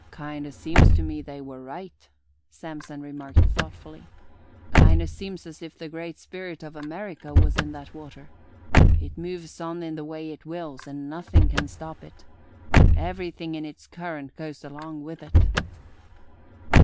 "Kind o' seems to me they were right," Samson remarked thoughtfully. "Kind o' seems as if the great spirit of America was in that water. It moves on in the way it wills and nothing can stop it. Everything in its current goes along with it.